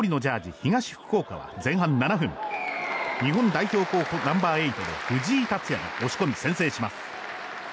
東福岡は前半７分日本代表候補ナンバー８の藤井達哉が押し込み、先制します。